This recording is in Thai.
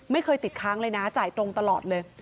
ไม่เคยติดค้างเลยนะจ่ายตรงตลอดเลย